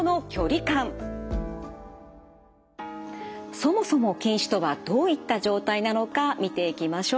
そもそも近視とはどういった状態なのか見ていきましょう。